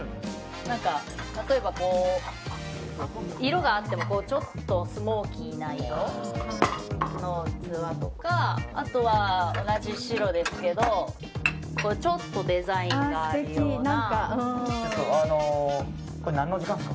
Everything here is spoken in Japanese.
例えば、こう色があってもちょっとスモーキーな色の器とかあとは、同じ白ですけどちょっとデザインがあるような。